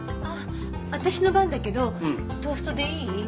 私の番だけどトーストでいい？